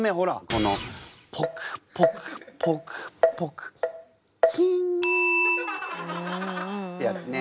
この「ぽくぽくぽくぽくチン」。ってやつね。